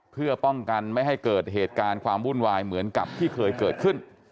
เพื่อป้องกันไม่ให้เกิดเหตุการณ์ความวุ่นวายเหมือนกับที่เคยเกิดขึ้น